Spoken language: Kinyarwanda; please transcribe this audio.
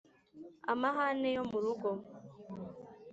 amahane yo mu rugo,